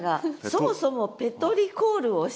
そもそも「ペトリコール」を教えて下さい。